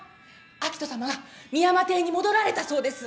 明人さまが深山邸に戻られたそうです。